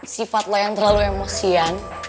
sifat lo yang terlalu emosian